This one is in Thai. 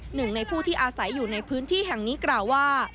หนึ่งในผู้ที่อาศัยอยู่ในพื้นที่แห่งนี้กล่าวว่า